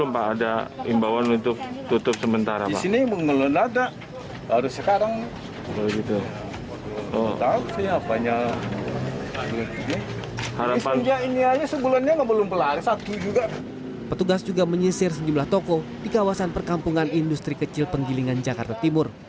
petugas juga menyisir sejumlah toko di kawasan perkampungan industri kecil penggilingan jakarta timur